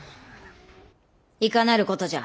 いかなることじゃ！